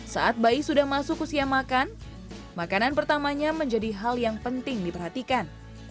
saat bayi sudah masuk usia makan makanan pertamanya menjadi hal yang penting diperhatikan